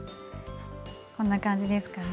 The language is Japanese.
こんな感じですかね。